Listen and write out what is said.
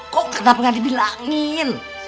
kok kenapa gak dibilangin